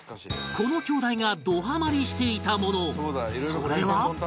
この兄弟がドハマりしていたものそれは